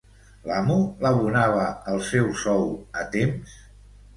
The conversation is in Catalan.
L'amo l'abonava el seu sou a temps?